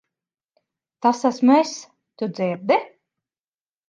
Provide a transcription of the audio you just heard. Tas esmu es. Tu dzirdi?